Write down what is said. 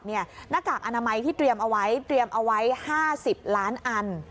หน้ากากอนามัยที่เตรียมเอาไว้เตรียมเอาไว้๕๐ล้านอัน